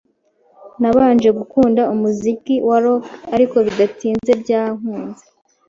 Nabanje gukunda umuziki wa rock, ariko bidatinze byankuze.